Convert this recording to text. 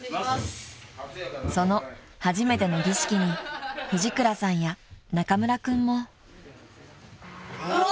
［その初めての儀式に藤倉さんや中村君も］わ！